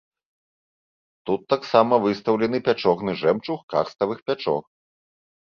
Тут таксама выстаўлены пячорны жэмчуг карставых пячор.